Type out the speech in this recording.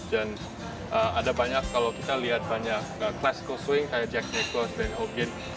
dan ada banyak kalau kita lihat banyak classical swing kayak jack nicklaus dan hogan